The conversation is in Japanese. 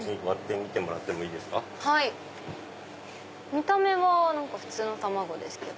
見た目は普通の卵ですけど。